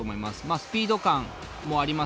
スピード感もあります